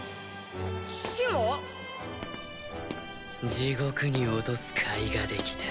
地獄に落とす甲斐ができた。